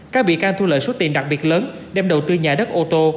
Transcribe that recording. các bị can thu lợi số tiền đặc biệt lớn đem đầu tư nhà đất ô tô